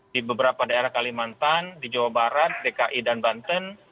di beberapa daerah kalimantan di jawa barat dki dan banten